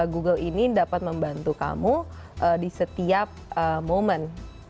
google ini dapat membantu kamu di setiap momen